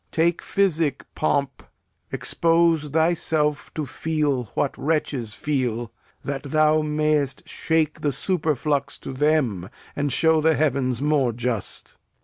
Take physic, pomp; Expose thyself to feel what wretches feel, That thou mayst shake the superflux to them And show the heavens more just.